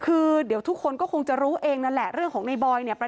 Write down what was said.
เพื่อนในหัดใหญ่ที่คบกันมาเนี่ยยันว่าผมจะไปเรียกชาย๑๔คนได้ยังไง